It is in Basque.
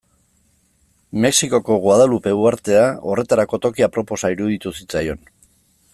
Mexikoko Guadalupe uhartea horretarako toki aproposa iruditu zitzaion.